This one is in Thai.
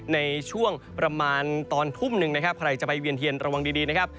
ในช่วงประมาณตอนทุ่มใครจะไปเวียนเทียนระวังดีนะครับ